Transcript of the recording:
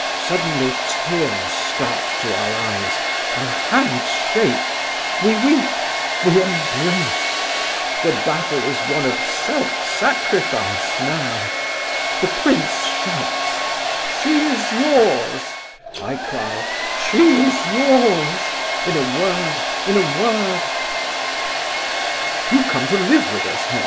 Suddenly tears start to our eyes, our hands shake; we weep, we embrace—the battle is one of self sacrifice now! The prince shouts, 'She is yours;' I cry, 'She is yours—' in a word, in a word—You've come to live with us, hey?"